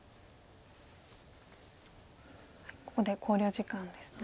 ここで考慮時間ですね。